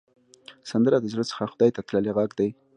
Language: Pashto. سندره د زړه څخه خدای ته تللې غږ ده